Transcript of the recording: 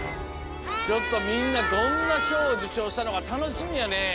ちょっとみんなどんなしょうをじゅしょうしたのかたのしみやねえ。